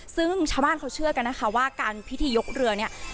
ซึ่งชาวบ้านเขาเชื่อกันนะคะว่าการพิธียกเรือเนี่ย